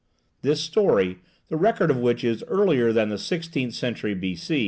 This story, the record of which is earlier than the sixteenth century B.